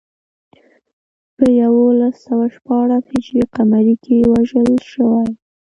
په یولس سوه شپاړس هجري قمري کې وژل شوی.